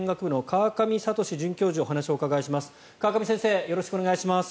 川上先生よろしくお願いします。